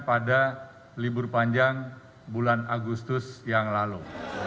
pada libur panjang bulan agustus yang lalu